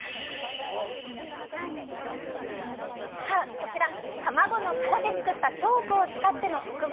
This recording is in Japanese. こちら、卵の殻で作ったチョークを使っての黒板